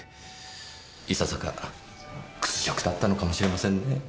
いささか屈辱だったのかもしれませんねぇ。